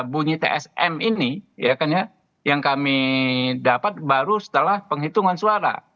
bunyi tsm ini yang kami dapat baru setelah penghitungan suara